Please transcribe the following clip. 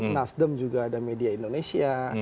nasdem juga ada media indonesia